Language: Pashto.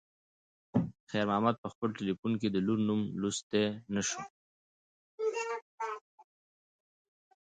خیر محمد په خپل تلیفون کې د لور نوم لوستی نه شو.